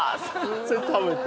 それ食べて？